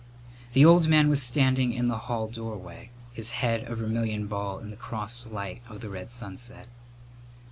The old man was standing in the hall doorway, his head a vermilion ball in the crossed light of the red sunset.